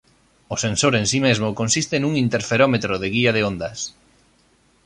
O sensor en si mesmo consiste nun interferómetro de guía de ondas.